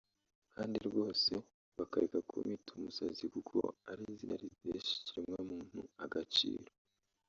kandi rwose bakareka kumwita umusazi kuko ari izina ritesha ikiremwamuntu agaciro